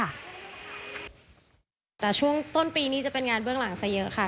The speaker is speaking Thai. แต่ช่วงต้นปีนี้จะเป็นงานเบื้องหลังซะเยอะค่ะ